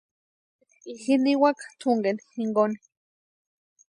Ji niwaka túnkeni jinkoni.